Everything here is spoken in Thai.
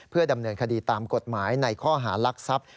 ดำเนินคดีตามกฎหมายในข้อหารักทรัพย์